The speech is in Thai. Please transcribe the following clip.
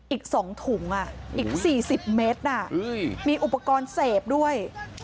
อีก๒ถุงอีก๔๐เมตรมีอุปกรณ์เสพด้วย